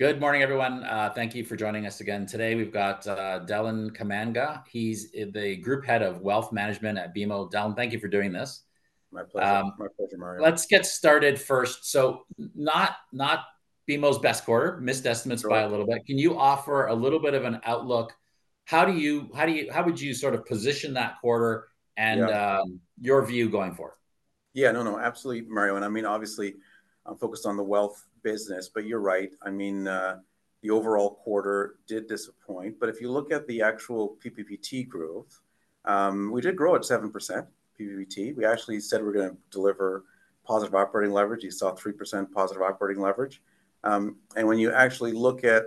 Good morning, everyone. Thank you for joining us again today. We've got, Deland Kamanga. He's the Group Head of Wealth Management at BMO. Deland, thank you for doing this. My pleasure. My pleasure, Mario. Let's get started first. So not BMO's best quarter, missed estimates by a little bit. Can you offer a little bit of an outlook? How would you sort of position that quarter, and your view going forward? Yeah. No, no, absolutely, Mario, and I mean, obviously, I'm focused on the wealth business, but you're right. I mean, the overall quarter did disappoint, but if you look at the actual PPPT growth, we did grow at 7%, PPPT. We actually said we're gonna deliver positive operating leverage. You saw 3% positive operating leverage. And when you actually look at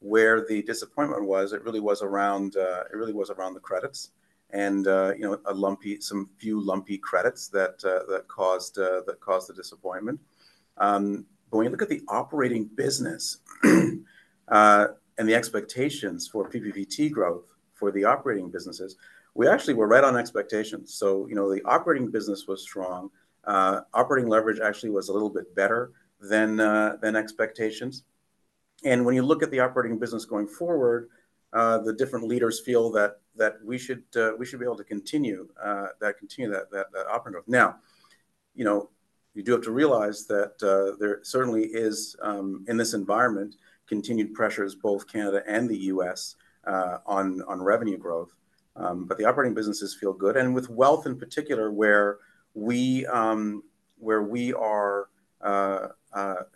where the disappointment was, it really was around the credits and, you know, a few lumpy credits that caused the disappointment. But when you look at the operating business, and the expectations for PPPT growth for the operating businesses, we actually were right on expectations. So, you know, the operating business was strong. Operating leverage actually was a little bit better than expectations. When you look at the operating business going forward, the different leaders feel that we should be able to continue that operating growth. Now, you know, you do have to realize that there certainly is, in this environment, continued pressures, both Canada and the U.S., on revenue growth. But the operating businesses feel good, and with wealth in particular, where we are,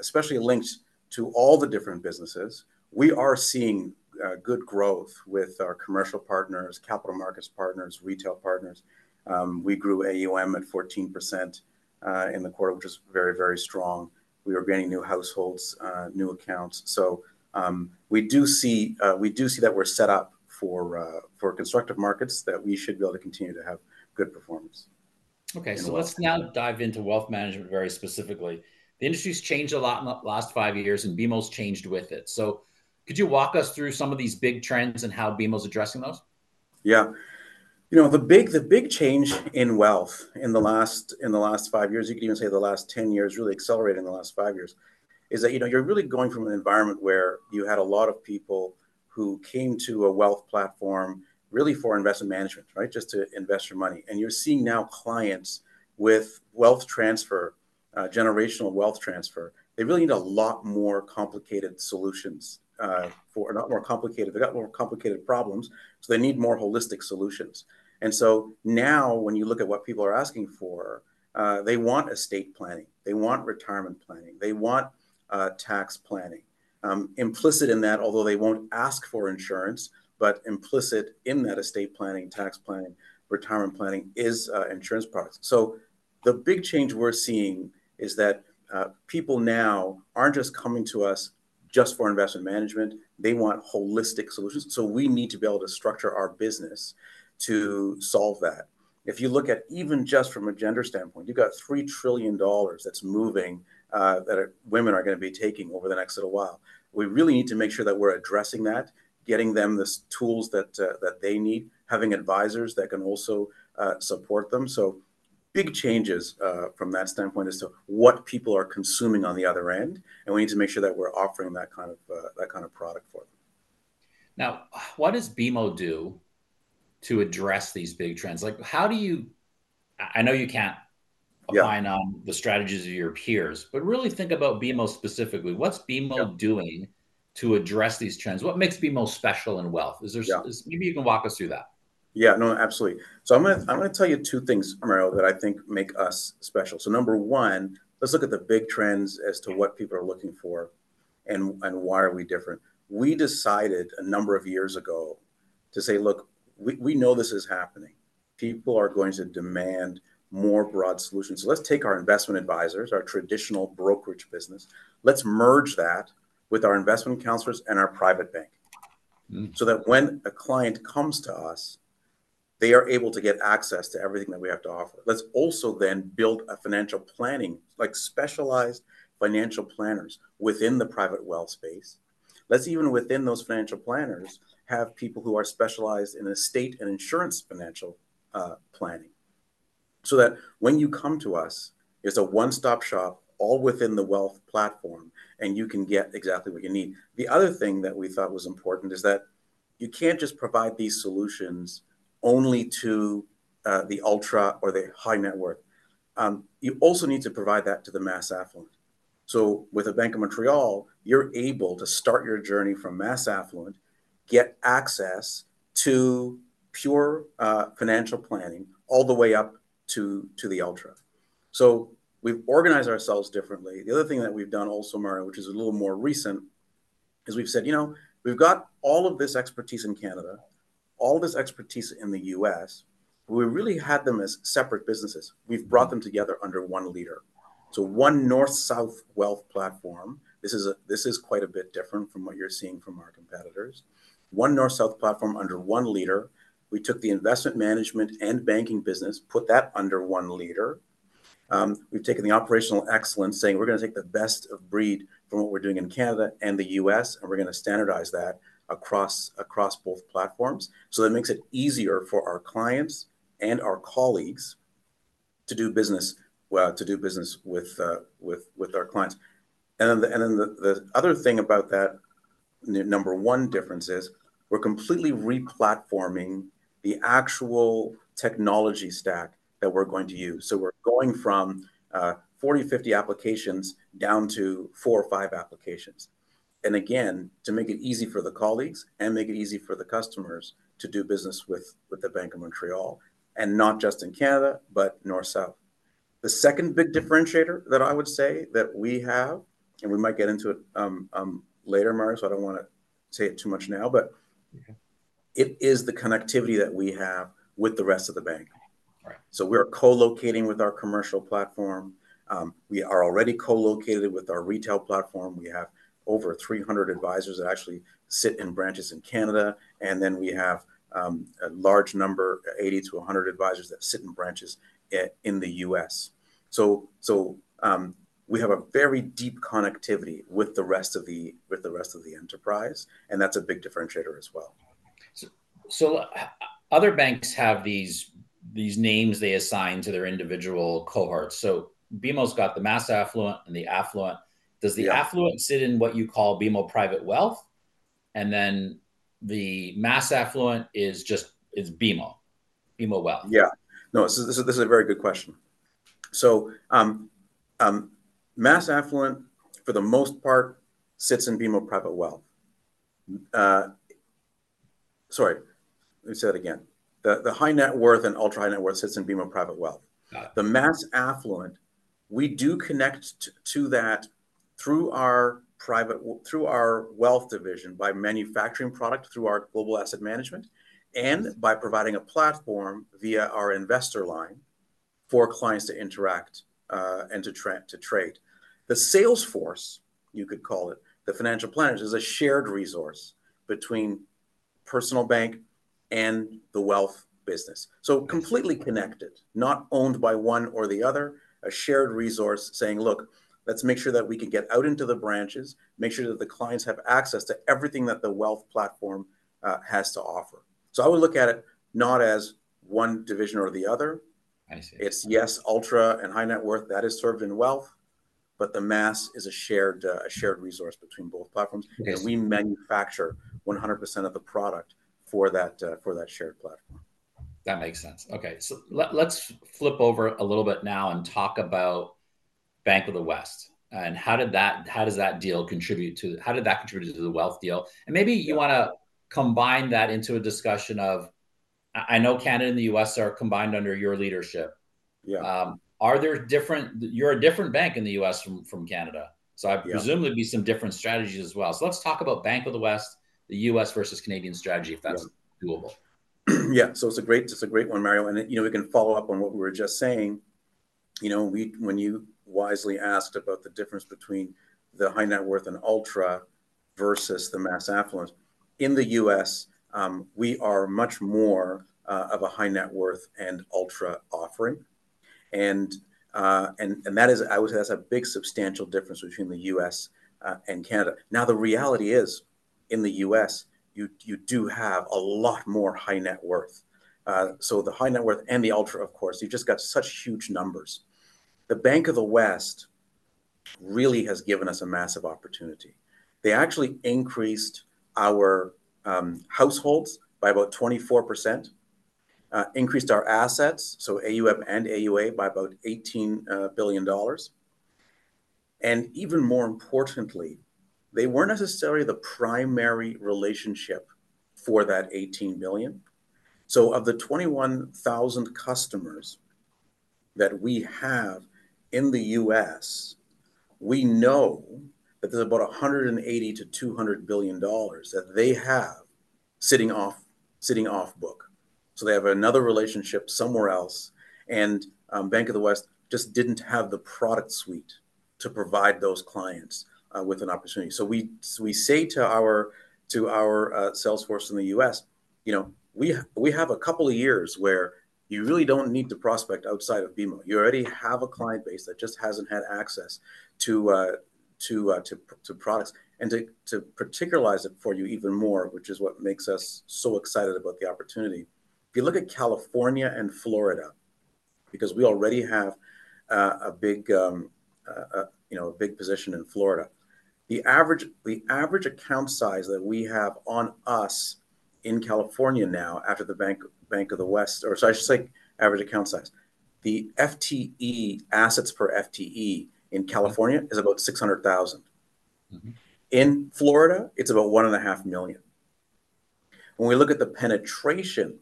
especially linked to all the different businesses, we are seeing good growth with our commercial partners, capital markets partners, retail partners. We grew AUM at 14% in the quarter, which is very, very strong. We are gaining new households, new accounts. So, we do see that we're set up for constructive markets, that we should be able to continue to have good performance. Okay. So let's now dive into wealth management very specifically. The industry's changed a lot in the last five years, and BMO's changed with it. Could you walk us through some of these big trends and how BMO's addressing those? Yeah. You know, the big, the big change in wealth in the last, in the last five years, you could even say the last 10 years, really accelerated in the last five years, is that, you know, you're really going from an environment where you had a lot of people who came to a wealth platform, really for investment management, right? Just to invest your money. And you're seeing now clients with wealth transfer, generational wealth transfer. They really need a lot more complicated solutions, for... Not more complicated. They've got more complicated problems, so they need more holistic solutions. And so now, when you look at what people are asking for, they want estate planning, they want retirement planning, they want, tax planning. Implicit in that, although they won't ask for insurance, but implicit in that estate planning, tax planning, retirement planning, is insurance products. So the big change we're seeing is that people now aren't just coming to us just for investment management. They want holistic solutions. So we need to be able to structure our business to solve that. If you look at even just from a gender standpoint, you've got $3 trillion that's moving that women are gonna be taking over the next little while. We really need to make sure that we're addressing that, getting them the tools that they need, having advisors that can also support them. So big changes, from that standpoint as to what people are consuming on the other end, and we need to make sure that we're offering that kind of, that kind of product for them. Now, what does BMO do to address these big trends? Like, how do you... I, I know you can't opine on the strategies of your peers, but really think about BMO specifically. What's BMO doing to address these trends? What makes BMO special in wealth? Is there... Maybe you can walk us through that. Yeah. No, absolutely. So I'm gonna, I'm gonna tell you two things, Mario, that I think make us special. So number one, let's look at the big trends as to what people are looking for, and, and why are we different. We decided a number of years ago to say, "Look, we, we know this is happening. People are going to demand more broad solutions. So let's take our investment advisors, our traditional brokerage business, let's merge that with our investment counselors and our private bank, so that when a client comes to us, they are able to get access to everything that we have to offer. Let's also then build a financial planning, like specialized financial planners within the private wealth space. Let's even, within those financial planners, have people who are specialized in estate and insurance financial planning, so that when you come to us, it's a one-stop shop, all within the wealth platform, and you can get exactly what you need." The other thing that we thought was important is that you can't just provide these solutions only to the ultra or the high net worth. You also need to provide that to the mass affluent. So with the Bank of Montreal, you're able to start your journey from mass affluent, get access to pure financial planning, all the way up to the ultra. So we've organized ourselves differently. The other thing that we've done also, Mario, which is a little more recent, is we've said, "You know, we've got all of this expertise in Canada, all this expertise in the U.S., but we really had them as separate businesses." We've brought them together under one leader, so one north-south wealth platform. This is a, this is quite a bit different from what you're seeing from our competitors. One north-south platform under one leader. We took the investment management and banking business, put that under one leader. We've taken the operational excellence, saying: We're gonna take the best of breed from what we're doing in Canada and the U.S., and we're gonna standardize that across, across both platforms. So that makes it easier for our clients and our colleagues to do business, well, to do business with, with our clients. The other thing about that number one difference is we're completely re-platforming the actual technology stack that we're going to use. So we're going from 40, 50 applications down to four or five applications. And again, to make it easy for the colleagues and make it easy for the customers to do business with the Bank of Montreal, and not just in Canada, but north, south. The second big differentiator that I would say that we have, and we might get into it later, Mario, so I don't wanna say it too much now but it is the connectivity that we have with the rest of the bank. So we're co-locating with our commercial platform. We are already co-located with our retail platform. We have over 300 advisors that actually sit in branches in Canada, and then we have a large number, 80-100 advisors, that sit in branches in the U.S. So we have a very deep connectivity with the rest of the, with the rest of the enterprise, and that's a big differentiator as well. So, other banks have these names they assign to their individual cohorts. So BMO's got the mass affluent and the affluent. Does the affluent sit in what you call BMO Private Wealth? And then the mass affluent is just, is BMO, BMO Wealth? Yeah. No, so this is a very good question. So, mass affluent, for the most part, sits in BMO Private Wealth. Sorry, let me say that again. The high net worth and ultra high net worth sits in BMO Private Wealth. Got it. The mass affluent, we do connect to that through our private wealth division by manufacturing product through our Global Asset Management, and by providing a platform via our InvestorLine for clients to interact, and to trade. The sales force, you could call it, the financial planners, is a shared resource between personal bank and the wealth business. So completely connected, not owned by one or the other. A shared resource saying, "Look, let's make sure that we can get out into the branches, make sure that the clients have access to everything that the wealth platform has to offer." So I would look at it not as one division or the other. I see. Yes, ultra and high net worth, that is served in wealth, but the mass is a shared, a shared resource between both platforms. Yes. We manufacture 100% of the product for that shared platform. That makes sense. Okay, so let's flip over a little bit now and talk about Bank of the West, and how did that—how does that deal contribute to... How did that contribute to the wealth deal? Maybe you wanna combine that into a discussion of, I know Canada and the U.S. are combined under your leadership. Are there different... You're a different bank in the U.S. from Canada. So there'd presumably be some different strategies as well. So let's talk about Bank of the West, the U.S. versus Canadian strategy if that's doable. Yeah. So it's a great, it's a great one, Mario, and, you know, we can follow up on what we were just saying. You know, we when you wisely asked about the difference between the high net worth and ultra versus the mass affluent. In the U.S., we are much more of a high net worth and ultra offering. And that is, I would say, that's a big, substantial difference between the U.S. and Canada. Now, the reality is, in the U.S., you do have a lot more high net worth. So the high net worth and the ultra, of course, you've just got such huge numbers. The Bank of the West really has given us a massive opportunity. They actually increased our households by about 24%, increased our assets, so AUM and AUA, by about $18 billion. Even more importantly, they weren't necessarily the primary relationship for that $18 billion. So of the 21,000 customers that we have in the U.S., we know that there's about $180 billion-$200 billion that they have sitting off book. So they have another relationship somewhere else, and Bank of the West just didn't have the product suite to provide those clients with an opportunity. So we say to our sales force in the U.S., "You know, we have a couple of years where you really don't need to prospect outside of BMO. You already have a client base that just hasn't had access to products." And to particularize it for you even more, which is what makes us so excited about the opportunity, if you look at California and Florida, because we already have a big, you know, a big position in Florida, the average, the average account size that we have on us in California now, after the Bank of the West. Or sorry, I should say average account size. The FTE, assets per FTE in California is about $600,000 In Florida, it's about 1.5 million. When we look at the penetration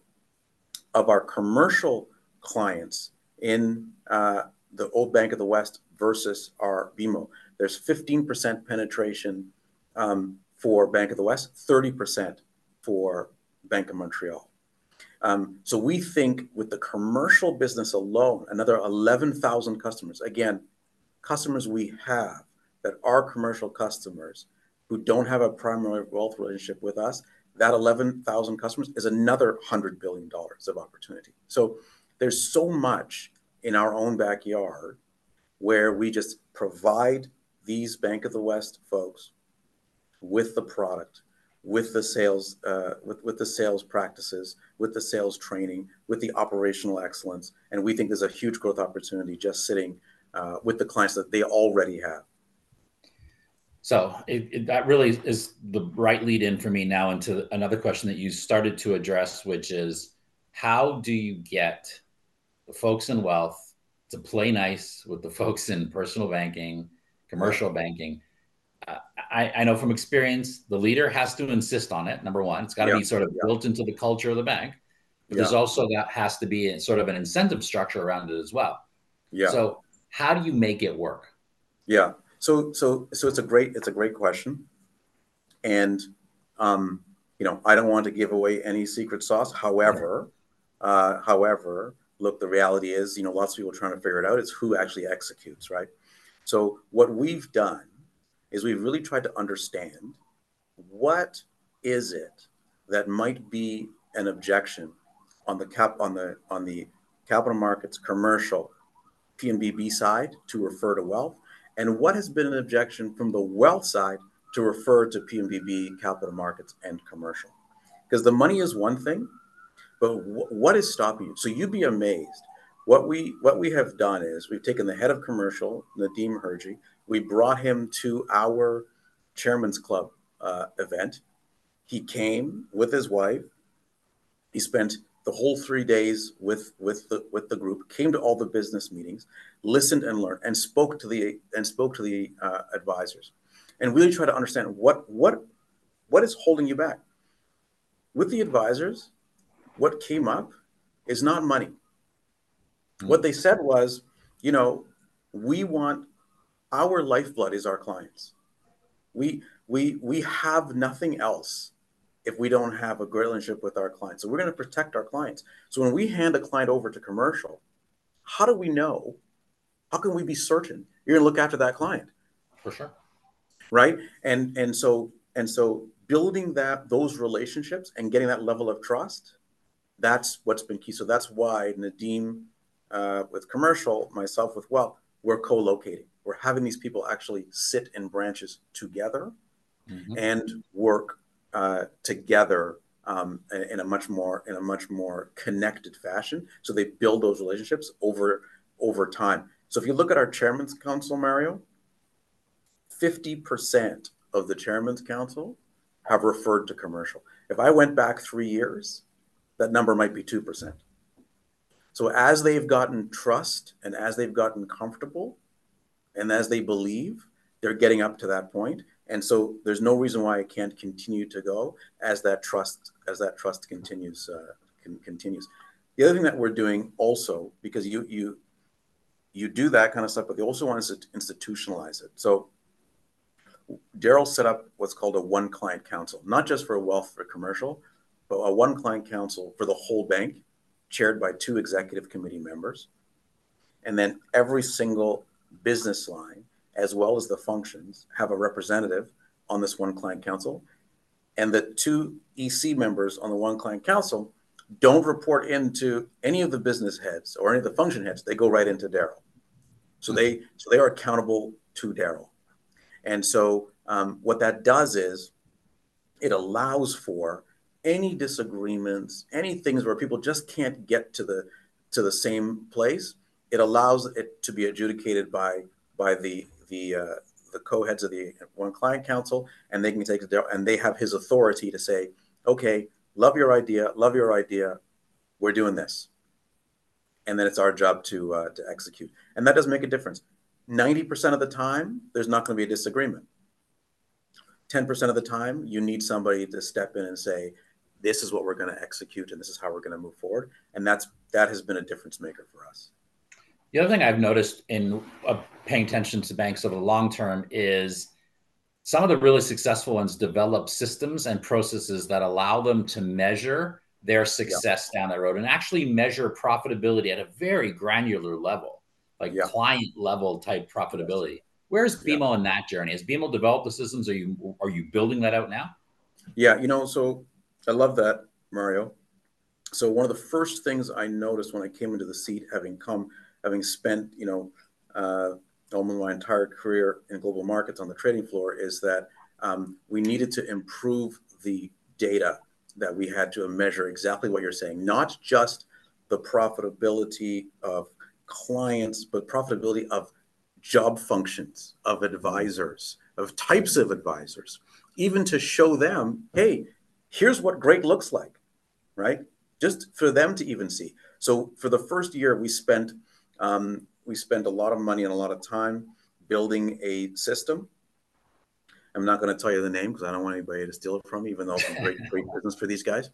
of our commercial clients in the old Bank of the West versus our BMO, there's 15% penetration for Bank of the West, 30% for Bank of Montreal. So we think with the commercial business alone, another 11,000 customers, again, customers we have that are commercial customers who don't have a primary wealth relationship with us, that 11,000 customers is another $100 billion of opportunity. So there's so much in our own backyard where we just provide these Bank of the West folks with the product, with the sales practices, with the sales training, with the operational excellence, and we think there's a huge growth opportunity just sitting with the clients that they already have. That really is the right lead in for me now into another question that you started to address, which is: how do you get the folks in wealth to play nice with the folks in personal banking, commercial banking? I know from experience, the leader has to insist on it, number one. Yeah, yeah. It's got to be sort of built into the culture of the bank. Yeah. There's also... that has to be a sort of an incentive structure around it as well. Yeah. So how do you make it work? Yeah. So, it's a great question. And, you know, I don't want to give away any secret sauce. However, look, the reality is, you know, lots of people are trying to figure it out. It's who actually executes, right? So what we've done is we've really tried to understand what it is that might be an objection on the capital markets, commercial, P&BB side, to refer to wealth, and what has been an objection from the wealth side to refer to P&BB capital markets and commercial? Because the money is one thing, but what is stopping you? So you'd be amazed, what we have done is we've taken the head of commercial, Nadim Hirji, we brought him to our Chairman's Club event. He came with his wife. He spent the whole three days with the group, came to all the business meetings, listened and learned, and spoke to the advisors. Really tried to understand what is holding you back? With the advisors, what came up is not money. What they said was, "You know, we want... Our lifeblood is our clients. We, we, we have nothing else if we don't have a great relationship with our clients. So we're going to protect our clients. So when we hand a client over to commercial, how do we know, how can we be certain you're going to look after that client? For sure. Right? And so building those relationships and getting that level of trust, that's what's been key. So that's why Nadim, with commercial, myself with wealth, we're co-locating. We're having these people actually sit in branches together, and work together in a much more connected fashion, so they build those relationships over time. So if you look at our Chairman's Council, Mario, 50% of the Chairman's Council have referred to commercial. If I went back three years, that number might be 2%. So as they've gotten trust, and as they've gotten comfortable, and as they believe, they're getting up to that point, and so there's no reason why it can't continue to go as that trust continues. The other thing that we're doing, also, because you do that kind of stuff, but you also want to institutionalize it. So Darryl set up what's called a One Client Council. Not just for wealth or commercial, but a One Client Council for the whole bank, chaired by two executive committee members. And then every single business line, as well as the functions, have a representative on this One Client Council. And the two EC members on the One Client Council don't report into any of the business heads or any of the function heads. They go right into Darryl. So they are accountable to Darryl. And so, what that does is, it allows for any disagreements, any things where people just can't get to the same place, it allows it to be adjudicated by the co-heads of the One Client Council, and they can take it to Darryl, and they have his authority to say, "Okay, love your idea, love your idea. We're doing this." And then it's our job to execute. And that does make a difference. 90% of the time, there's not going to be a disagreement. 10% of the time, you need somebody to step in and say, "This is what we're going to execute, and this is how we're going to move forward," and that has been a difference maker for us. The other thing I've noticed in paying attention to banks over the long term, is some of the really successful ones develop systems and processes that allow them to measure- their success down the road, and actually measure profitability at a very granular level. Like client-level type profitability. Where is BMO on that journey? Has BMO developed the systems, or are you, are you building that out now? Yeah, you know, so I love that, Mario. So one of the first things I noticed when I came into the seat, having spent, you know, almost my entire career in global markets on the trading floor, is that we needed to improve the data that we had to measure exactly what you're saying. Not just the profitability of clients, but profitability of job functions, of advisors, of types of advisors. Even to show them, "Hey, here's what great looks like," right? Just for them to even see. So for the first year, we spent a lot of money and a lot of time building a system. I'm not going to tell you the name, because I don't want anybody to steal it from me, even though it's great, great business for these guys.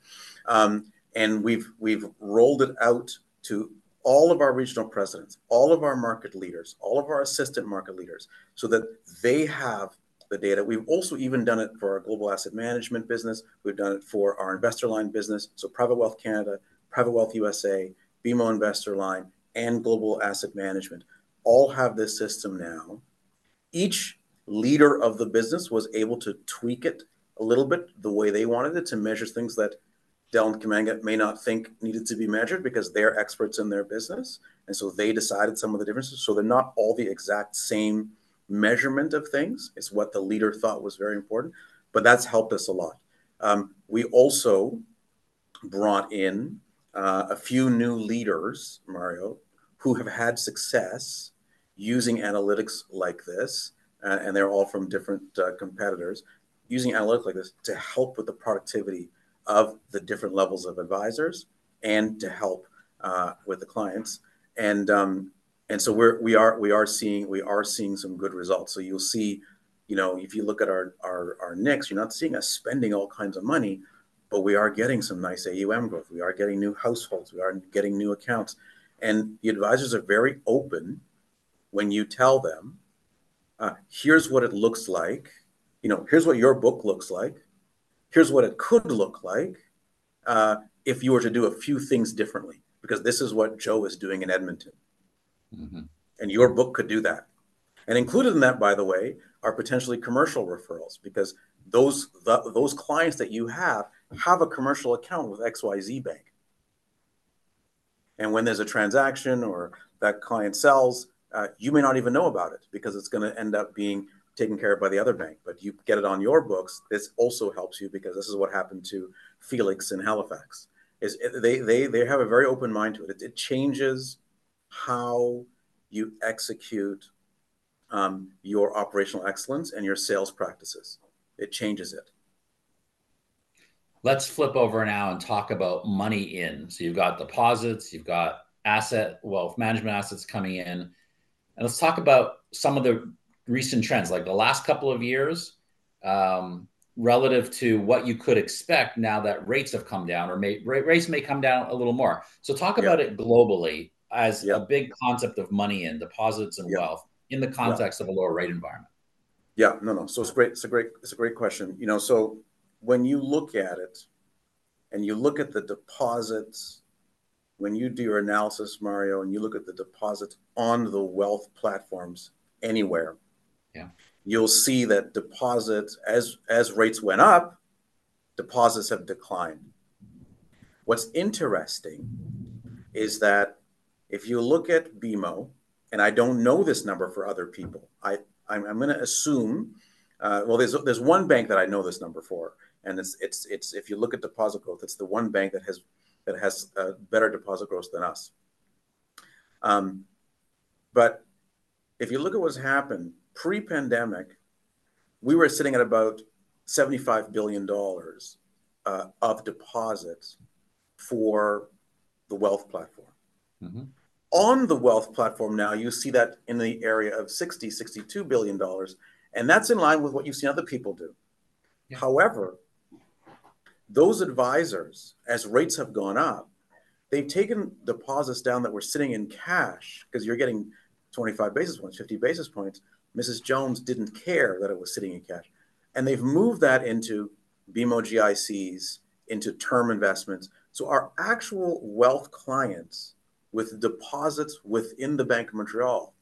We've rolled it out to all of our regional presidents, all of our market leaders, all of our assistant market leaders, so that they have the data. We've also even done it for our Global Asset Management business. We've done it for our InvestorLine business. Private Wealth Canada, Private Wealth USA, BMO InvestorLine, and Global Asset Management all have this system now. Each leader of the business was able to tweak it a little bit the way they wanted it, to measure things Deland Kamanga may not think needed to be measured because they're experts in their business, and so they decided some of the differences. They're not all the exact same measurement of things. It's what the leader thought was very important, but that's helped us a lot. We also brought in a few new leaders, Mario, who have had success using analytics like this, and they're all from different competitors. Using analytics like this to help with the productivity of the different levels of advisors and to help with the clients. And so we are seeing some good results. So you'll see, you know, if you look at our next, you're not seeing us spending all kinds of money, but we are getting some nice AUM growth. We are getting new households, we are getting new accounts. And the advisors are very open when you tell them, "Here's what it looks like. You know, here's what your book looks like. Here's what it could look like, if you were to do a few things differently, because this is what Joe is doing in Edmonton. And your book could do that. And included in that, by the way, are potentially commercial referrals, because those clients that you have have a commercial account with XYZ Bank. And when there's a transaction or that client sells, you may not even know about it, because it's gonna end up being taken care of by the other bank. But you get it on your books. This also helps you because this is what happened to Felix in Halifax. They have a very open mind to it. It changes how you execute your operational excellence and your sales practices. It changes it. Let's flip over now and talk about money in. So you've got deposits, you've got asset, wealth management assets coming in, and let's talk about some of the recent trends, like the last couple of years, relative to what you could expect now that rates have come down or may... rates may come down a little more. So talk about it globally as a big concept of money in deposits and wealth in the context of a lower rate environment. Yeah. No, no, so it's a great, it's a great, it's a great question. You know, so when you look at it, and you look at the deposits, when you do your analysis, Mario, and you look at the deposits on the wealth platforms anywhere, you'll see that deposits, as rates went up, deposits have declined. What's interesting is that if you look at BMO, and I don't know this number for other people, I, I'm, I'm gonna assume... Well, there's, there's one bank that I know this number for, and it's if you look at deposit growth, it's the one bank that has better deposit growth than us. But if you look at what's happened, pre-pandemic, we were sitting at about 75 billion dollars of deposits for the wealth platform. On the wealth platform now, you see that in the area of 60-62 billion dollars, and that's in line with what you see other people do. However, those advisors, as rates have gone up, they've taken deposits down that were sitting in cash, 'cause you're getting 25 basis points, 50 basis points. Mrs. Jones didn't care that it was sitting in cash. And they've moved that into BMO GICs, into term investments. So our actual wealth clients with deposits within the Bank of Montreal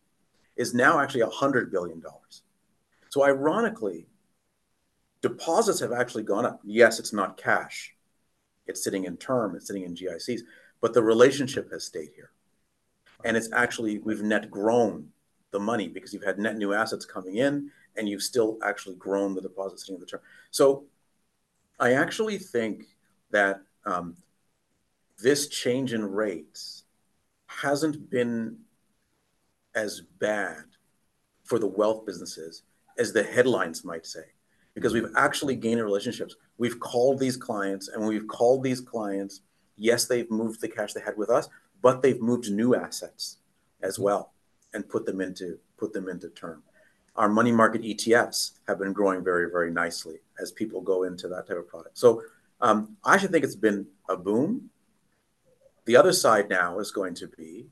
is now actually 100 billion dollars. So ironically, deposits have actually gone up. Yes, it's not cash. It's sitting in term, it's sitting in GICs, but the relationship has stayed here. And it's actually, we've net grown the money, because you've had net new assets coming in, and you've still actually grown the deposits sitting in the term. So I actually think that this change in rates hasn't been as bad for the wealth businesses as the headlines might say, because we've actually gained relationships. We've called these clients, and we've called these clients. Yes, they've moved the cash they had with us, but they've moved new assets as well and put them into, put them into term. Our money market ETFs have been growing very, very nicely as people go into that type of product. So, I actually think it's been a boom. The other side now is going to be,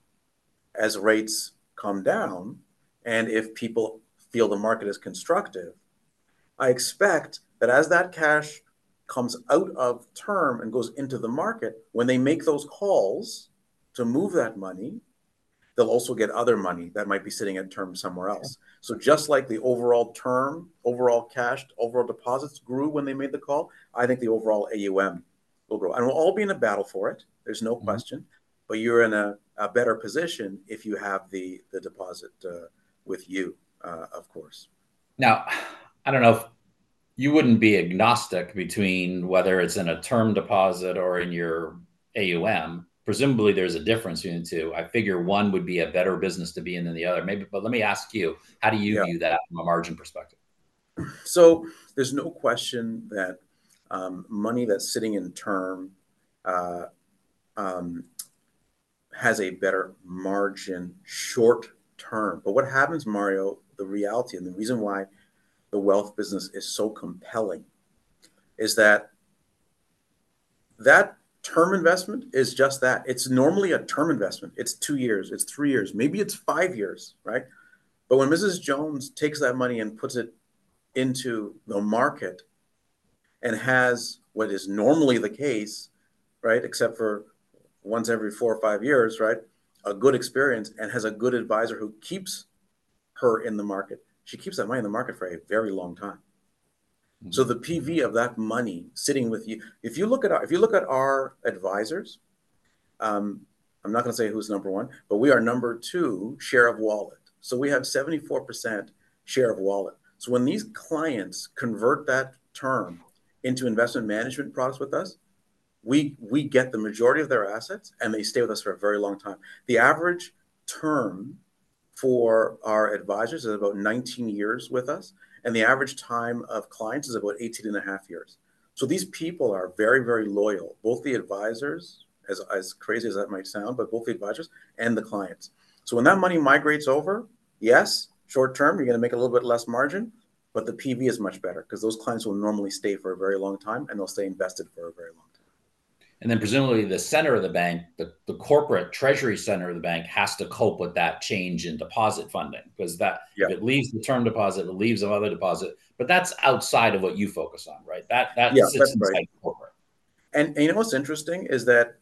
as rates come down and if people feel the market is constructive, I expect that as that cash comes out of term and goes into the market, when they make those calls to move that money, they'll also get other money that might be sitting in term somewhere else. Just like the overall term, overall cash, overall deposits grew when they made the call, I think the overall AUM will grow. We'll all be in a battle for it, there's no question but you're in a better position if you have the deposit with you, of course. Now, I don't know if you wouldn't be agnostic between whether it's in a term deposit or in your AUM. Presumably, there's a difference between the two. I figure one would be a better business to be in than the other. Maybe, but let me ask you, how do you view that from a margin perspective? So there's no question that, money that's sitting in term, has a better margin short term. But what happens, Mario, the reality and the reason why the wealth business is so compelling, is that, that term investment is just that. It's normally a term investment. It's two years, it's three years, maybe it's five years, right? But when Mrs. Jones takes that money and puts it into the market and has what is normally the case, right, except for once every four or five years, right, a good experience, and has a good advisor who keeps her in the market, she keeps that money in the market for a very long time. So the PV of that money sitting with you, if you look at our, if you look at our advisors, I'm not gonna say who's number 1, but we are number 2 share of wallet. So we have 74% share of wallet. So when these clients convert that term into investment management products with us, we, we get the majority of their assets, and they stay with us for a very long time. The average term for our advisors is about 19 years with us, and the average time of clients is about 18.5 years. So these people are very, very loyal, both the advisors, as, as crazy as that might sound, but both the advisors and the clients. When that money migrates over, yes, short term, you're gonna make a little bit less margin, but the PV is much better, 'cause those clients will normally stay for a very long time, and they'll stay invested for a very long time. And then presumably, the center of the bank, the corporate treasury center of the bank has to cope with that change in deposit funding. 'Cause that. if it leaves the term deposit, it leaves another deposit, but that's outside of what you focus on, right? Yeah, that's right. sits corporate. And you know what's interesting? Is that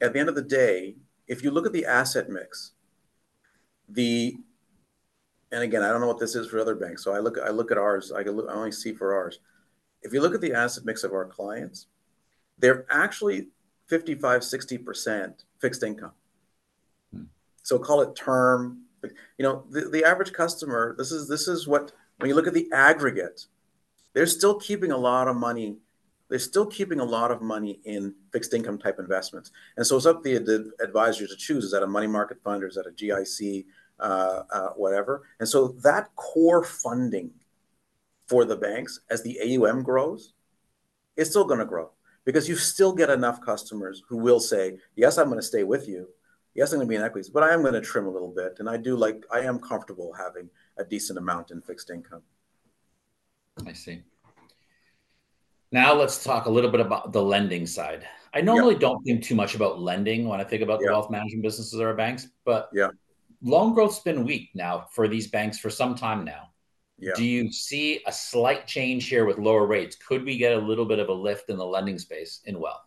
at the end of the day, if you look at the asset mix, the. And again, I don't know what this is for other banks, so I look at ours. I can only see for ours. If you look at the asset mix of our clients, they're actually 55%-60% fixed income. So call it term. Like, you know, the average customer, this is what... When you look at the aggregate, they're still keeping a lot of money- they're still keeping a lot of money in fixed income type investments. And so it's up to the advisor to choose, is that a money market fund or is that a GIC, whatever. And so that core funding for the banks, as the AUM grows, it's still gonna grow. Because you still get enough customers who will say, "Yes, I'm gonna stay with you. Yes, I'm gonna be in equities, but I am gonna trim a little bit, and I do like- I am comfortable having a decent amount in fixed income. I see. Now, let's talk a little bit about the lending side. I normally don't think too much about lending when I think about wealth management businesses or banks. But loan growth's been weak now for these banks for some time now. Do you see a slight change here with lower rates? Could we get a little bit of a lift in the lending space in wealth?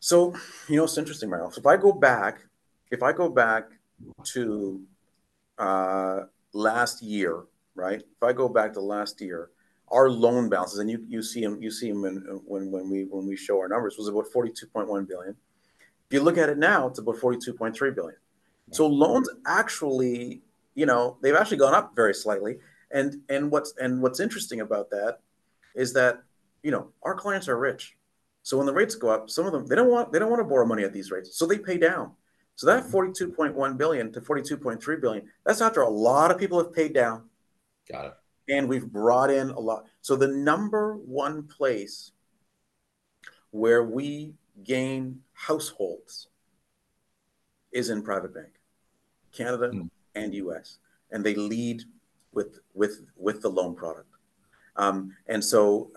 So, you know, it's interesting, Mario. So if I go back, if I go back to last year, right? If I go back to last year, our loan balances, and you see 'em, you see 'em when we show our numbers, was about 42.1 billion. If you look at it now, it's about 42.3 billion. So loans actually, you know, they've actually gone up very slightly. And what's interesting about that is that, you know, our clients are rich. So when the rates go up, some of them, they don't want... They don't want to borrow money at these rates, so they pay down. 42.1 billion-42.3 billion, that's after a lot of people have paid down. Got it. We've brought in a lot... So the number one place where we gain households is in Private Bank, Canada, and U.S., and they lead with the loan product. So,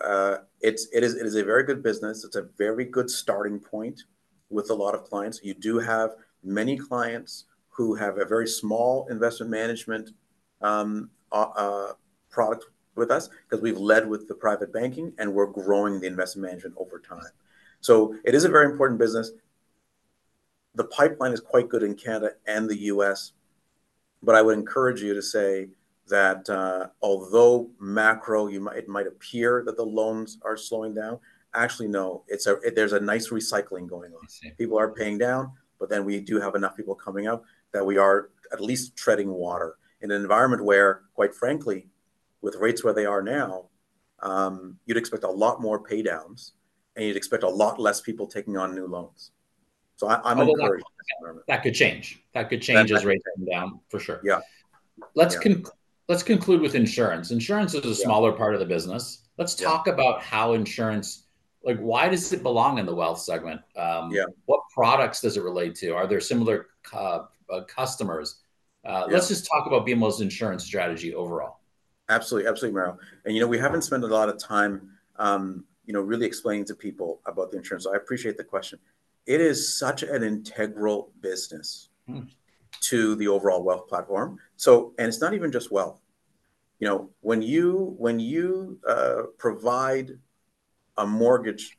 it is a very good business. It's a very good starting point with a lot of clients. You do have many clients who have a very small investment management product with us, 'cause we've led with the private banking, and we're growing the investment management over time. So it is a very important business. The pipeline is quite good in Canada and the U.S., but I would encourage you to say that, although macro, it might appear that the loans are slowing down, actually, no. It's, there's a nice recycling going on. I see. People are paying down, but then we do have enough people coming up, that we are at least treading water in an environment where, quite frankly, with rates where they are now, you'd expect a lot more pay downs, and you'd expect a lot less people taking on new loans. So I, I'm encouraged- Well, that, that could change. That could change as rates come down, for sure. Let's conclude with insurance, Insurance is a smaller part of the business. Let's talk about how insurance... Like, why does it belong in the wealth segment? What products does it relate to? Are there similar customers? Let's just talk about BMO's insurance strategy overall. Absolutely. Absolutely, Mario. And, you know, we haven't spent a lot of time, you know, really explaining to people about the insurance, so I appreciate the question. It is such an integral business to the overall wealth platform. So, and it's not even just wealth. You know, when you, when you, provide a mortgage,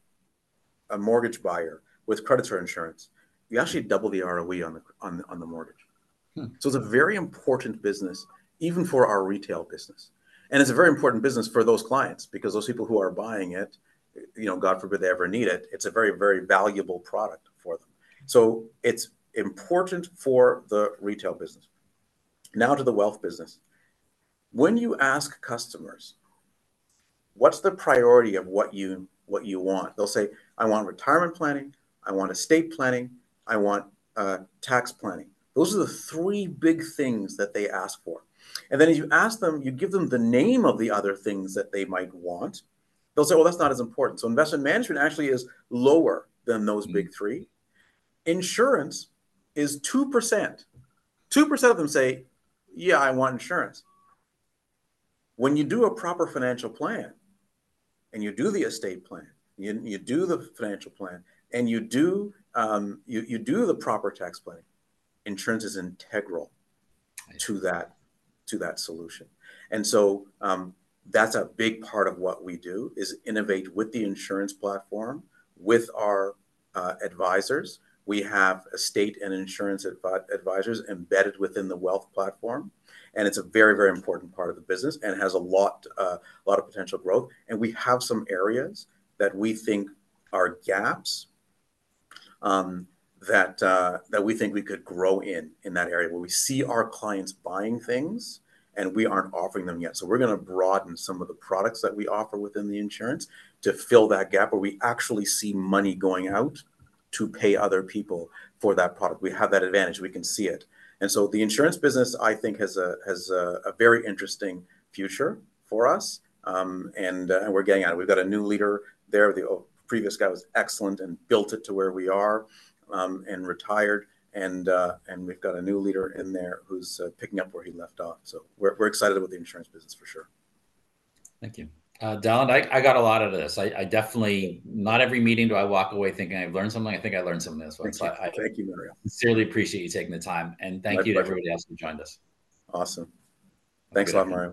a mortgage buyer with credits or insurance, you actually double the ROE on the, on the, on the mortgage. It's a very important business, even for our retail business. It's a very important business for those clients, because those people who are buying it, you know, God forbid they ever need it, it's a very, very valuable product for them. It's important for the retail business. Now, to the wealth business. When you ask customers: What's the priority of what you, what you want? They'll say: I want retirement planning, I want estate planning, I want tax planning. Those are the three big things that they ask for. And then if you ask them, you give them the name of the other things that they might want, they'll say, "Well, that's not as important." Investment management actually is lower than those big three. Insurance is 2%. 2% of them say, "Yeah, I want insurance." When you do a proper financial plan, and you do the estate plan, and you do the proper tax planning, insurance is integral. I see To that solution. And so, that's a big part of what we do, is innovate with the insurance platform, with our advisors. We have estate and insurance advisors embedded within the wealth platform, and it's a very, very important part of the business, and it has a lot, a lot of potential growth. And we have some areas that we think are gaps, that we think we could grow in, in that area, where we see our clients buying things, and we aren't offering them yet. So we're gonna broaden some of the products that we offer within the insurance to fill that gap, where we actually see money going out to pay other people for that product. We have that advantage. We can see it. So the insurance business, I think, has a very interesting future for us. We're getting at it. We've got a new leader there. The previous guy was excellent and built it to where we are, and retired, and we've got a new leader in there who's picking up where he left off. So we're excited about the insurance business for sure. Thank you. Deland, I got a lot out of this. I definitely... Not every meeting do I walk away thinking I've learned something. I think I learned something this one. Thank you. Thank you, Mario. I sincerely appreciate you taking the time. My pleasure And thank you to everybody else who joined us. Awesome. Thanks a lot, Mario.